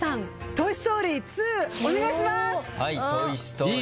『トイ・ストーリー２』お願いします。